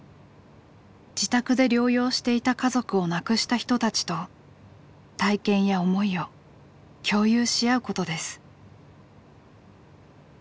自宅で療養していた家族を亡くした人たちと体験や思いを共有し合うことです。